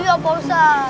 iya pak ustadz